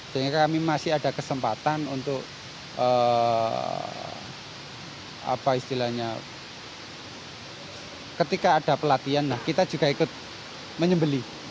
jadi kami masih ada kesempatan untuk ketika ada pelatihan kita juga ikut menyebelih